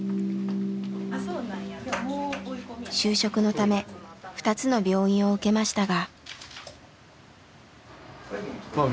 就職のため２つの病院を受けましたが。